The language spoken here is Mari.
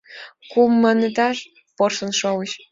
Кум манеташ порсын шовыч